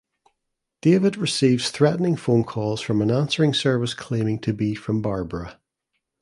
David receives threatening phone calls from an answering service claiming to be from Barbara.